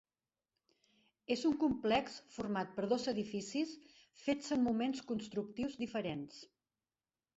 És un complex format per dos edificis fets en moments constructius diferents.